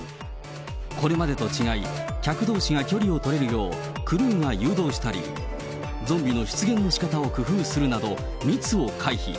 これまでと違い、客どうしが距離を取れるよう、がゾンビの出現のしかたを工夫するなど密を回避。